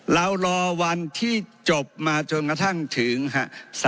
เรารอวันที่จบมาจนกระทั่งถึง